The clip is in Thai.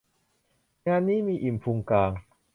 งานนี้มีอิ่มพุงกาง